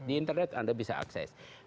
di internet anda bisa akses